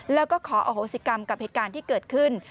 แล้วก็ขออโหสิกรรมกับเหตุการณ์ที่เกิดขึ้น